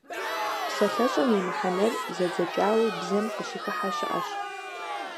ПсалъэщӀэм и мыхьэнэр зэдзэкӀауи бзэм къыщыхыхьэ щыӏэщ.